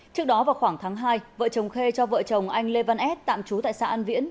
trước đó vào khoảng tháng hai vợ chồng khê cho vợ chồng anh lê văn ad tạm trú tại xã an viễn